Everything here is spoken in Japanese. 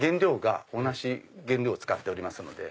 同じ原料を使っておりますので。